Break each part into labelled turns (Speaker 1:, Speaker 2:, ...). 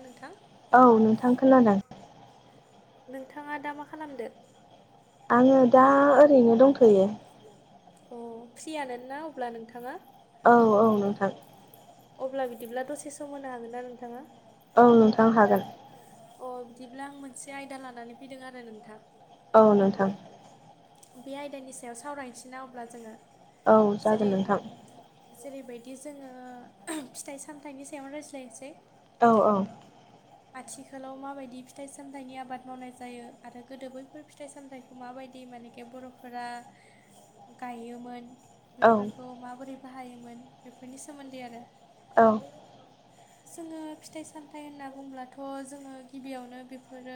Speaker 1: नोंथां
Speaker 2: औ नोंथां खोनादों
Speaker 1: नोंथाङा दा मा खालामदो?
Speaker 2: आङो दा ओरैनो दंथ'यो
Speaker 1: अ फ्रियान ना अब्ला नोंथाङा
Speaker 2: औ औ नोंथां।
Speaker 1: अब्ला बिदिब्ला दसे सम होनो हागोन ना नोंथाङा?
Speaker 2: औ नोंथां हागोन।
Speaker 1: अ बिदिब्ला आं मोनसे आयदा लानानै फैदों आरो नोंथां।
Speaker 2: औ नोंथां।
Speaker 1: बे आयदानि सायाव सावरायनो थिना अब्ला जोङो?
Speaker 2: औ जागोन
Speaker 1: जेरै
Speaker 2: नोंथां
Speaker 1: जेरैबायदि जोङो फिथाइ सामथाइनि सायावनो रायज्लायनोसै
Speaker 2: औ औ।
Speaker 1: आथिखालाव माबायदि फिथाइ सामथाइनि आबाद मावनाय जायो आरो गोदो बैफोर फिथाइ सामथाइ माबायदि मानेखे बर'फोरा गायोमोन।
Speaker 2: औ
Speaker 1: बेफोरखौ माबोरै बाहायोमोन बेफोरनि सोमोन्दै आरो
Speaker 2: औ।
Speaker 1: जोङो फिथाइ सामथाइ होनना बुंब्लाथ' जोङो गिबियावनो बेफोरो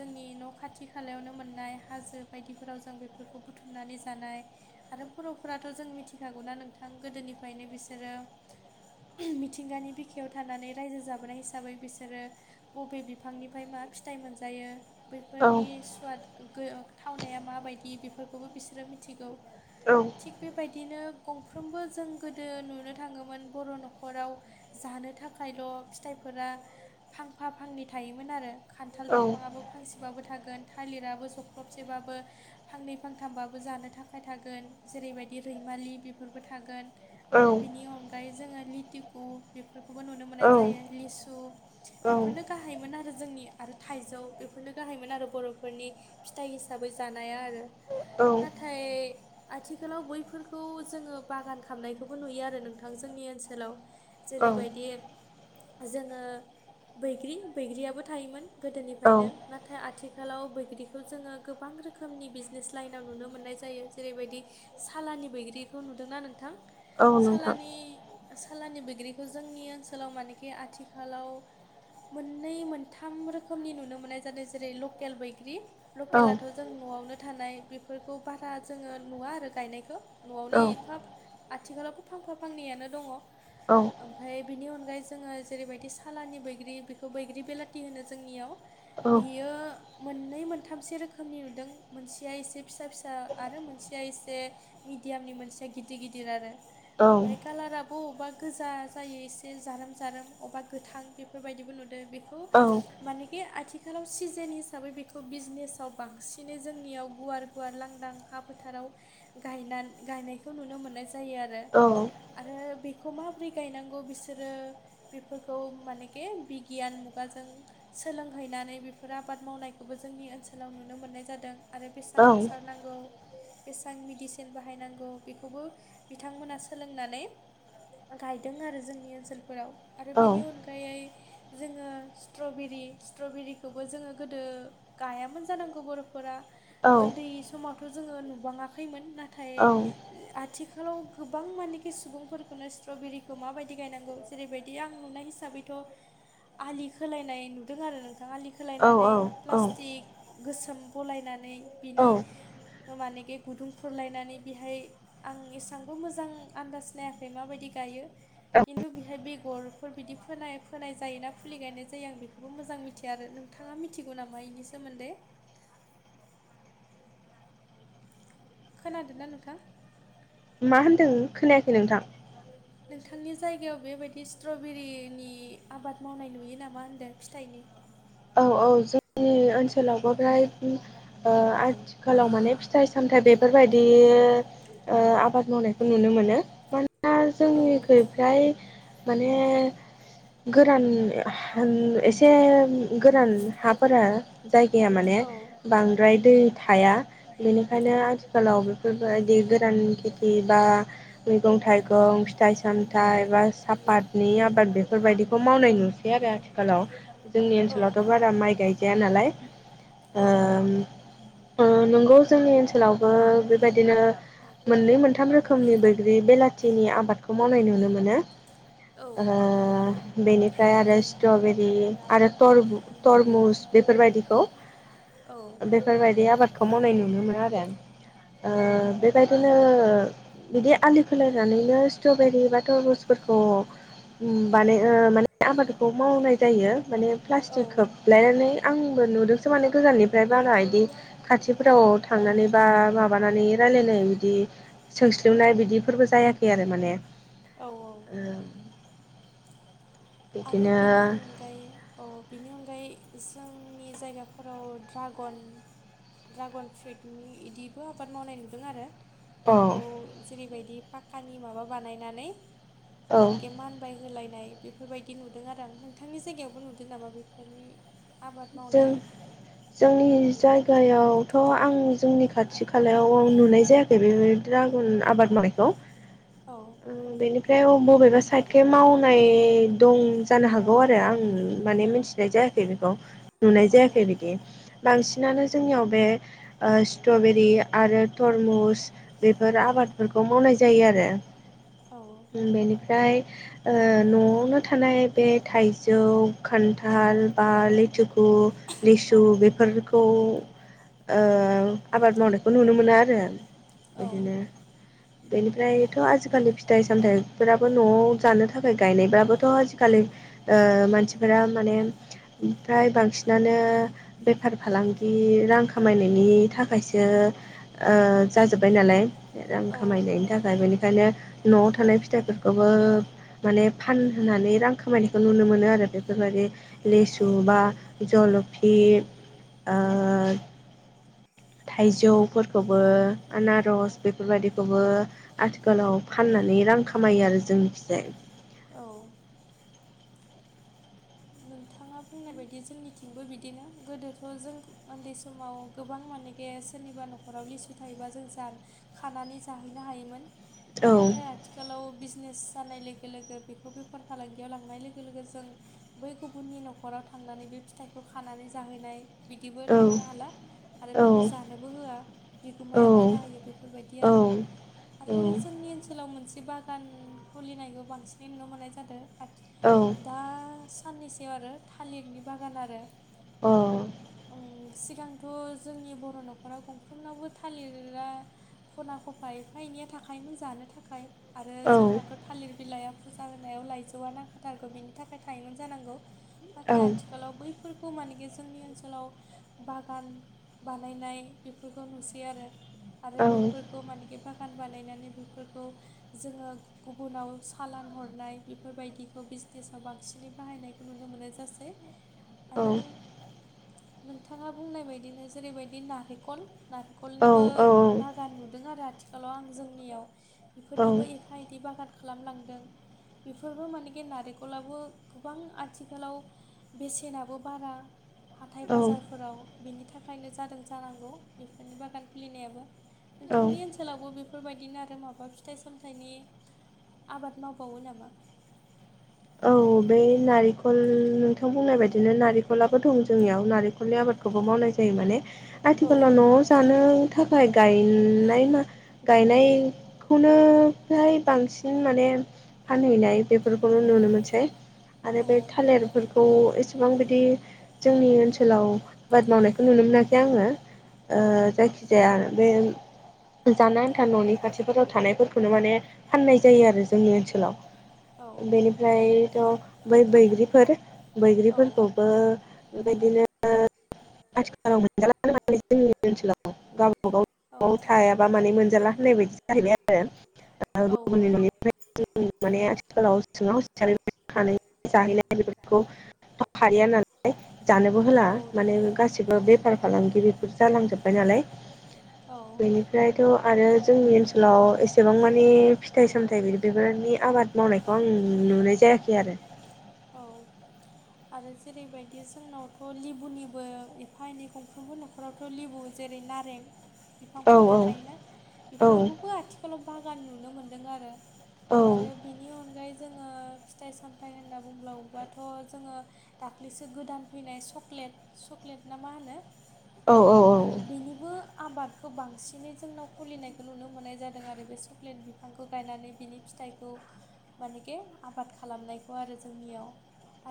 Speaker 1: जोंनि न' खाथि खालायावनो मोननाय हाजो बायदिफोराव जों बेफोरखौ बुथुमनानै जानाय, आरो बर'फोराथ' जों मिथिखागौना नोंथां गोदोनिफ्रायनो बिसोरो मिथिंगानि बिख आखायाव थानानै रायजो जाबोनाय हिसाबै बिसोरो बबे बिफांनिफ्राय मा फिथाइ मोनजायो
Speaker 2: औ
Speaker 1: बेफोरनि स्वाद थावनाया माबायदि बेफोरखौबो बिसोरो मिथिगौ।
Speaker 2: औ।
Speaker 1: थिग बेबायदिनो गंफ्रोमबो जों गोदो नुनो थाङोमोन बर' न'खराव जानो थाखायल' फिथाइफोरा फांफा फांनै थायोमोन आरो खान्थाल
Speaker 2: औ
Speaker 1: दंफाङाबो फांसेबाबो थागोन थालिराबो सख्लबसेबाबो फांनै फांथामबाबो जानो थाखाय थागोन जेरैबायदि रैमालि बेफोरबो थागोन। आरो बेनि अनगायै जोङो लिटिकु फोरखौबो नुनो मोननाय जायो लिसु थिख बेफोरनो गाहायमोन आरो जोंनि आरो थाइजौ बेफोरनो गाहायमोन आरो बर'फोरनि फिथाइ हिसाबै जानाया आरो। नाथाय आथिखालाव बैफोरखौ जोङो बागान खालामामनायखौबो नुयो आरो नोंथां जोंनि ओनसोलाव।
Speaker 2: औ
Speaker 1: जेरैबायदि जोङो बैग्रि बैग्रियाबो थायोमोन।
Speaker 2: औ
Speaker 1: गोदोनिफ्रायनो नाथाय आथिखालाव बैग्रिखौ जोङो गोबां रोखोमनि बिजनेस लाइनाव नुनो मोननाय जायो जेरैबायदि सालानि बैग्रिखौ नुदोंना नोंथां
Speaker 2: औ नोंथां
Speaker 1: सनि सालानि बैग्रि थ' जोंनि ओनसोलाव मानेखि आथिखालाव मोननै मोनथाम रोखोमनि नुनो मोननाय जादों जेरै लकेल बैग्रि
Speaker 2: औ
Speaker 1: लकेलाथ' जों न'आवनो थानाय बेफोरखौ बारा जोङो नुवा आरो गायनायखौ
Speaker 2: औ
Speaker 1: न'आवनो एफा आथिखालावबो फांफा फांनैयानो दङ।
Speaker 2: औ।
Speaker 1: ओमफ्राय बिनि अनगायै जोङो जेरैबायदि सालानि बैग्रि बेखौ बैग्रि बेलाथि होनो जोंनियाव।
Speaker 2: औ
Speaker 1: बियो मोननै मोनथामस रोखोमनि नुदों मोनसेया एसे फिसा फिसा आरो मोनसेया एसे मिडियामनि मोनसेया गिदिर गिदिर आरो ओमफ्राय कालाराबो बबेबा गोजा जायो एसे जारोम जारोम अबेबा गोथां बेफोरबायदिबो नुदों बेखौ
Speaker 2: औ।
Speaker 1: मानेखि आथिखालाव सिजेन हिसाबै बेखौ बिजनेसाव बांसिनै जोंनियाव गुवार- गुवार लांदां हा फोथाराव गायना गायनायखौ नुनो मोननाय जायो आरो।
Speaker 2: औ
Speaker 1: आरो बेखौ माबोरै गायनांगौ बिसोरो बेफोरखौ मानेखे बिगियान मुगाजों सोलोंहैनानै बेफोर आबाद मावनायखौबो जोंनि ओनसोलाव नुनो मोननाय जादों। आरो बेसेबां हासार नांगौ बेसेबां मेडिसिन बाहायनांगौ बेखौबो बिथांमोना सोलोंनानै गायदों आरो जोंनि ओनसोलफोराव आरो बेनि अनगायै जोङो स्ट्रबेरि स्ट्रबेरिखौबो जोङो गोदो गायामोन जानांगौ बर'फोरा। उन्दै समावथ' जोङो नुुबाङाखैमोन। नाथाय
Speaker 2: औ
Speaker 1: ओ आथिखालाव गोबां मानेखि सुबुंफोरखौनो स्ट्रबेरिखौ माबायदि गायनांगौ जेरैबायदि आं नुनाय हिसाबैथ' आलि खोलायनाय नुदों आरो नोंथां। आलि
Speaker 2: औ
Speaker 1: खोलायनानै
Speaker 2: औ
Speaker 1: प्लास्टिक गोसोम बलायनानै बिनि मानेखि गुदुंखुरलायनानै बेहाय आं एसेबांबो मोजां आन्दाज नायाखै माबायदि गायो। खिन्थु बेहाय बेगर फोर बिदि फोनाय फोनाय जायो ना फुलि गायनाय जायो आं बेखौबो मोजां मिथिया आरो। नोंथाङा मिथिगौ नामा इनि सोमोन्दै? खोनादोंना नोंथां?
Speaker 2: मा होन्दों? खोनायाखै नोंथां
Speaker 1: नोंथांनि जायगायाव बेबायदि स्ट्रबेरिनि आबाद मावनाय नुयो नामा होनदों फिथाइनि?
Speaker 2: औ औ। जों नि ओनसोलावबो फ्राय आथिखालाव माने फिथाइ-सामथाइ बेफोरबायदि ओ आबाद मावनायखौ नुनो मोनो। मानसिफ्रा दा
Speaker 1: औ
Speaker 2: जोंनिखैजाय माने गोरान होन एसे गोरान हाफोरा जायगाया माने
Speaker 1: औ
Speaker 2: बांद्राय दै थाया। बेनिखायनो आथिखालाव बेफोरबायदि गोरान खेथि बा मैगं थाइगं, फिथाइ सामथाइ बा सापात नि आबाद बेफोरबायदिखौ मावनाय नुसै आरो आथिखालाव। जोंनि ओनसोलावथ' बारा माइ गाय या नालाय।
Speaker 1: औ
Speaker 2: ओम ओ नंगौ जोंनि ओनसोलावबो बेबायदिनो मोननै मोनथाम रोखोमनि बैग्रि बेलाथिनि आबादखौ मावनाय नुनो मोनो।
Speaker 1: औ
Speaker 2: ओ बेनिफ्राय आरो स्ट्रबेरि आरो तरबु- तरमुस बेफोरबायदि खौ
Speaker 1: औ
Speaker 2: बेफोरबायदि आबादखौ मावनाय नुनो मोनो आरो।
Speaker 1: औ
Speaker 2: ओ बेबायदिनो बिदि आलि खोलायनानैनो स्ट्रबेरि बा टरमुसफोरखौ उम बानाय ओ माने आबादखौ मावनाय जायो। माने प्लास्टिक
Speaker 1: औ
Speaker 2: खोबलायनानै आंबो नुदोंसो माने गोजाननिफ्राय बारा इदि खाथिफोराव थांनानै बा माबानानै रायलायनाय बिदि सोंस्लिउनाय बिदिफोरबो जायाखै आरो माने।
Speaker 1: औ
Speaker 2: उम
Speaker 1: आरो
Speaker 2: बिदिनो
Speaker 1: बेनि अनगायै औ बेनि अनगायै जोंनि जायगाफोराव ड्राग'न ड्राग'न फ्रुइटनि इदिबो आबाद मावनाय नुदों आरो।
Speaker 2: औ
Speaker 1: बेखौ जेरैबायदि पाक्कानि माबा बानायनानै
Speaker 2: औ
Speaker 1: मानेखि मान बाय होलायनाय बेफोरबायदि नुदों आरो आं। नोंथांनि जायगायावबो नुदों नामा बेफोरनि? आबाद मावनाय
Speaker 2: ओं। जोंनि जायगायावथ' आं जोंनि खाथि खालायाव नुनाय जायाखै। बे- बेबायदि द्रागन आबाद मावनाय खौ?
Speaker 1: औ
Speaker 2: उम बेनिफ्राय बबेबा साइडखै माव नाय दं जानो हागौ आरो आं माने मिथिनाय जायाखै बेखौ नुनाय
Speaker 1: औ
Speaker 2: जायाखै बिदि। बांसिनानो जोंनियाव बे ओ स्ट्रबेरि आरो तरमुस बेफोर आबादफोरखौ मावनाय जायो आरो।
Speaker 1: औ
Speaker 2: बेनिफ्राय ओ न'आवनो थानाय बे थाइजौ, खान्थाल बा लेथुखु खु,
Speaker 1: औ
Speaker 2: लिसु बेफोरखौ ओ आबाद मावनायखौ नुनो मोनो आरो
Speaker 1: औ औ
Speaker 2: बिदिनो बेनिफ्रायथ' आजिखालि फिथाइ सामथाइ फोराबो न'आव जानो थाखाय गायनायबाबोथ' आजिखालि ओ मानसिफोरा माने ओमफ्राय बा बांसिनानो बेफार फालांगि रां खामायनायनि थाखायसो ओ जाजोब्बाय नालाय रां
Speaker 1: औ
Speaker 2: खामायनायनि
Speaker 1: नंगौ
Speaker 2: थाखाय बेनिखायनो न'आव थानाय फिथाइफोरखौबो माने फान होनानै रां खामायनायखौ नुनो मोनो आरो बेफोरबायदि
Speaker 1: औ
Speaker 2: लेसु बा जलफि ओ थाइजौफोरखौबो आनारस
Speaker 1: औ
Speaker 2: बेफोरबायदिखौ बो आथिखालाव फाननानै रां खामायो आरो जोंनि खिजाय।
Speaker 1: औ। नोंथाङा बुंनाय बायदि जोंनिथिंबो बिदिनो गोदोथ' जों उन्दै समाव गोबां मानेखे सोरनिबा न'खराव लिसु थायोबा जों जा खानानै जाहैनो हायोमोन।
Speaker 2: औ
Speaker 1: नाथाय आथि आथिखालाव बिजनेस जानाय लोगो लोगो बेखौ बेफार फालांगियाव लांनाय लोगो लोगो जों बै गुबुननि न'खराव थांनानै बे फिथाइखौ खानानै जाहैनाय बिदिबो
Speaker 2: औ
Speaker 1: थांनो हाला आरो
Speaker 2: औ
Speaker 1: बेखौ जानो बो होआ
Speaker 2: औ
Speaker 1: बिगोमाया बादा होयो बेफोरबायदि
Speaker 2: औ
Speaker 1: आरो।
Speaker 2: औ
Speaker 1: आरो जोंनि ओनसोलाव मोनसे बागान खुलिनायखौ बांसिनै नुनो मोननाय जादों।
Speaker 2: औ।
Speaker 1: दा साननैसोआव आरो। थालिरनि बागान आरो।
Speaker 2: अ।
Speaker 1: उम सिगांथ' जोंनि बर' न'खराव गंफ्रोमनावबो थालिरा खना खफा एफा एनैया थाखायोमोन जानो थाखाय। आरो
Speaker 2: औ
Speaker 1: जोंनाथ' थालिर बिलाइआ फुजा होनायाव लाइजौआ नांखाथारगौ बिनि थाखाय थायोमोन जानांगौ नाथाय आथिखालाव बैफोरखौ मानेकि जोंनि ओनसोलाव बागान बानायनाय बेफोरखौ नुसै आरो। आरो बेफोरखौ माने खि बागान बानायनानै बेफोरखौ जोङो गुबुनाव सालान हरनाय बेफोरबायदिखौ बिजनेसाव बांसिनै बाहायनायखौ नुनो मोननाय जासै। आरो नोंथाङा बुंनाय बायदिनो जेरैबायदि नारिखल नारिखलनिबो बागान नुदों आरो आथिखालाव आं जोंनियाव‌।
Speaker 2: औ
Speaker 1: इफोरनिबो ए एफा इदि बागान खालामलांदों। बेफोरबो मानेखि नारेंखलाबो गोबां आथिखालाव बेसेनाबो बारा, हाथाय
Speaker 2: औ
Speaker 1: बाजारफोराव बेनि थाखायनो जादों जानांगौ बेफोरनि बागान खुलिनायाबो।
Speaker 2: औ
Speaker 1: नोंथांनि ओनसोल सोलावबो बेफोरबायदिनो आरो माबा फिथाइ सामथाइनि, आबाद मावबावो नामा?
Speaker 2: औ बे नारिखल नोंथां बुंनाय बायदिनो नारिखलाबो दं जोंनियाव नारिखलनि आबाद खौबो मावनाय जायो माने।
Speaker 1: औ
Speaker 2: आथिखालाव न'आव जानो थाखाय गायनाय मा गायनायखौनो फ्राय बांसिन माने फानहैनाय बेफोरखौनो नुनो मोनसै आरो
Speaker 1: औ
Speaker 2: बे थालिरफोरखौ एसेबां बिदि जोंनि ओनसोलाव आबाद मावनायखौ नुनो मोनाखै आङो
Speaker 1: औ
Speaker 2: जायखि जे आरो बे जान आन्था न'नि खाथिफोराव थानायफोरखौनो माने फाननाय जायो आरो जोंनि ओनसोलाव
Speaker 1: औ
Speaker 2: बेनिफ्रायथ' बै बैग्रिफोर।
Speaker 1: औ
Speaker 2: बैग्रिफोरखौबो बेबायदिनो आथिखालाव मोनजालानो जोंनि ओनसोलाव गावबा गाव
Speaker 1: औ
Speaker 2: न'आव थायाबा माने मोनजाला होननाय बायदि जाहैबाय आरो। दा
Speaker 1: औ
Speaker 2: गुबुननि न'निफ्राय माने आथिखालाव सोङाव खानानै जाहैनाय बेफोरखौ हालिया होननानै जानोबो होला
Speaker 1: औ
Speaker 2: माने
Speaker 1: नंगौ
Speaker 2: गासिबो बेफार फालांगिरिफोर जालांजोब्बाय नालाय
Speaker 1: औ
Speaker 2: ओमफ्रायथ' आरो जोंनि ओनसोलाव एसेबां माने फिथाइ सामथायाइ बिदि बेफोरनि आबाद मावनायखौ आं नुनाय जायाखै आरो
Speaker 1: औ आरो जेरैबायदि जोंनावथ' लेबुनिबो एफा एनै गंफ्रोम होन नफोरावथ' लेबु जेरै नारें
Speaker 2: औ
Speaker 1: बिफांफोरा
Speaker 2: औ
Speaker 1: थाखोना
Speaker 2: औ
Speaker 1: बेफोरखौबो आथिखालाव बागान नुनो मोनदों आरो
Speaker 2: औ
Speaker 1: आरो बिनि अनगायै जोङो फिथाइ सामथाइ होनना बुंबावोबाथ' जोङो दाख्लैसो गोदान फैनाय सक्लेट चक्लेट ना मा होनो
Speaker 2: औ औ औ
Speaker 1: बेनिबो आबादखौ बांसिनै जोंनाव फुलिनायखौ नुनो मोननाय जादों आरो बे चक्लेट बि बिफांखौ गायनानै बिनि फिथाइखौ मानेखे आबाद खालामनायखौ आरो ज जोंनियाव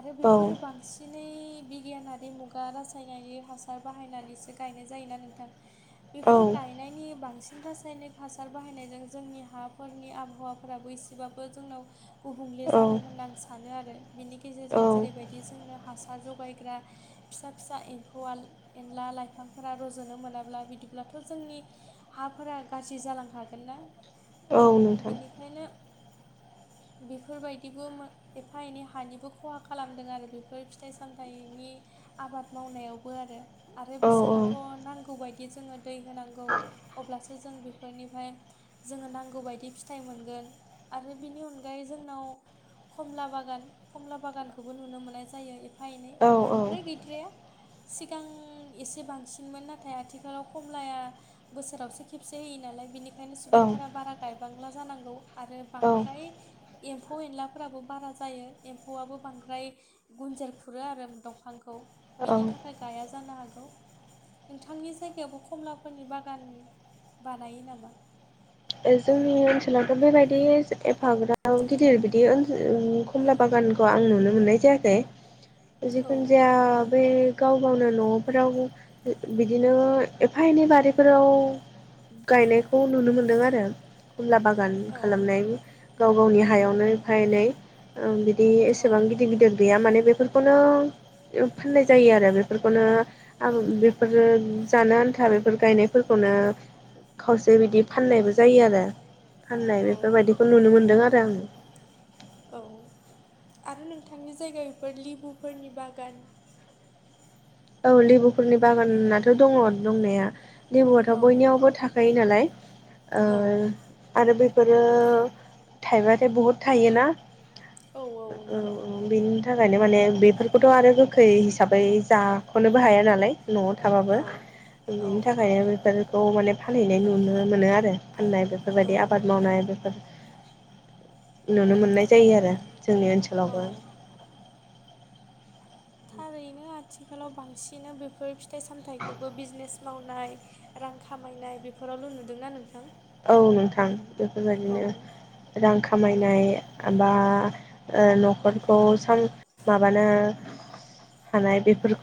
Speaker 1: आरो बेफोरो बांसिन दिनै बिगियानारि मुगा रासायनारि हासार बाहायनानैसो गायनाय जायोना नोंथां।
Speaker 2: औ
Speaker 1: बेफोर गायनायनि बांसिनथास रासायनिक हासार बाहायनायजों जोंनि हाफोरनि आबहावाफोरा बै एसेबाबो जोंनाव गुबुंले
Speaker 2: औ
Speaker 1: जादों होनना आं सानो आरो बिनि
Speaker 2: औ
Speaker 1: गेजेरजों जेरैबायदि जोंनो हासार जगायग्रा फिसा फिसा एम्फौआ एनला लाइफांफोरा रज'नो मोनाब्ला बिदिब्लाथ' जोंनि हाफोरा गाज्रि जालांखागोन ना।
Speaker 2: औ नोंथां
Speaker 1: बिनिखायनो बेफोरबायदिबो एफा एनै हानिबो खहा खालामदों आरो बेफोर फिथाइ सामथाइनि आबाद मावनायावबो आरो आरो
Speaker 2: औ
Speaker 1: बिसोरनोथ' नांगौबायदि जोङो दै होनांगौ। अब्लासो जों बेफोरनिफ्राय जोङो नांगौ बायदि फिथाइ मोनगोन आरो बिनि अनगायै जोंनाव खमला बागान खमला बागानखौबो नुनो मोननाय जायो एफा एनै
Speaker 2: औ
Speaker 1: बांद्राय गै गद्राया सिगां एसे बांसिनमोन नाथाय आथिखालाव खमलाया बोसोरावसो खेबसे होययो नालाय बिनि ओंखायनो सुबुंफोरा बारा गायबांला जानांगौ आरो
Speaker 2: औ
Speaker 1: बांद्राय एम्फौ एनला फोराबो बारा जायो एम्फौआबो बांद्राय गुनजेर खुरो आरो दंफांखौ
Speaker 2: औ
Speaker 1: बिनि थाखाय गाया जानो हागौ। नोंथांनि जायगायावबो खमलाफोरनि बागान बानायो नामा?
Speaker 2: जोंनि ओनसोलावथ' बेबायदि एफाग्र गिदिर बिदि ओनसोल कमला बागानखौ आं नुनो मोननाय जायाखै।
Speaker 1: ए
Speaker 2: जिखुनु जाया बे गाव गावनो न'फोराव बिदिनो एफा एनै बारिफोराव गायनायखौ नुनो मोनदों आरो आरो खमला बागान
Speaker 1: औ
Speaker 2: खालामनाय गाव गावनि हायावनो एफा एनै बिदि
Speaker 1: औ
Speaker 2: एसेबां गिदिर गिदिर गैया माने बेफोरखौनो फाननाय जायो आरो बेफोरखौनो आं बे बेफोर जानो आन्था बेफोर गायनायफोरखौनो खावसे बिदि फाननायबो जायो आरो फाननाय
Speaker 1: औ
Speaker 2: बेफोरबायदिखौ नुनो मोनदों आरो आङो
Speaker 1: औ आरो नोंथांनि जायगाफोर लिबुफोरनि बागान
Speaker 2: औ लेबुफोरनि बागानाथ' दङ दंनाया लेबुआथ'
Speaker 1: औ
Speaker 2: बयनियावबो थाखायो नालाय ओ
Speaker 1: औ
Speaker 2: आरो बेफोरो थाइबाथाय बहुद थायोना।
Speaker 1: औ औ
Speaker 2: ओ
Speaker 1: नंगौ
Speaker 2: बेनि थाखायनो माने बेफोरखौथ' आरो गोखै हिसाबै जा नोबो हाया नालाय न'आव थाबाबो
Speaker 1: औ
Speaker 2: बेनि
Speaker 1: औ
Speaker 2: थाखाय बेफोरखौ माने फानहैनाय नुनो मोनो आरो फाननाय
Speaker 1: औ
Speaker 2: बेफोरबायदि आबाद मावनाय बेफोर नुनो मोननाय जायो आरो जोंनि
Speaker 1: औ
Speaker 2: ओनसोलावबो
Speaker 1: थारैनो आथिखालाव बांसिन बेफोर फिथाइ सामथाइखौबो बिजनेस मावनाय रां खामायनाय बेफोरावल' नुदोंना नोंथां
Speaker 2: औ नोंथां
Speaker 1: औ
Speaker 2: बेफोरबायदिनो रां खामायनाय बा न'खरखौ माबानो हानाय बेफोरखौ